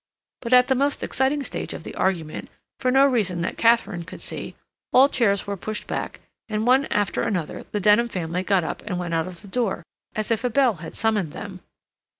But at the most exciting stage of the argument, for no reason that Katharine could see, all chairs were pushed back, and one after another the Denham family got up and went out of the door, as if a bell had summoned them.